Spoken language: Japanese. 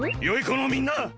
よいこのみんな！